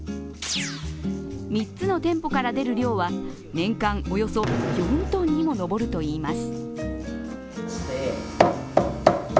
３つの店舗から出る量は年間およそ４ｔにも上るといいます。